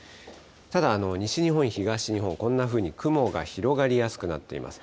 ただ西日本、東日本、こんなふうに雲が広がりやすくなっています。